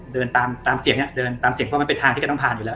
เดินตามตามเสียงเนี่ยเดินตามเสียงเพราะมันเป็นทางที่แกต้องผ่านอยู่แล้ว